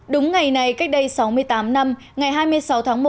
đúng ngày này cách đây sáu mươi tám năm ngày hai mươi sáu tháng một